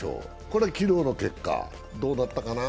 これは昨日の結果どうだったかな？